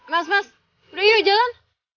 mas mas udah nyolot duluan